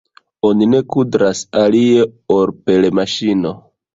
Oni ne kudras alie ol per maŝino.